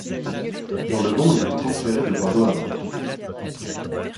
Jean le Bon est donc transféré de Bordeaux à Londres.